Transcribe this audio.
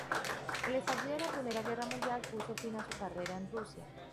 El estallido de la Primera Guerra Mundial puso fin a su carrera en Rusia.